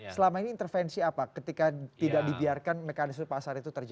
selama ini intervensi apa ketika tidak dibiarkan mekanisme pasar itu terjadi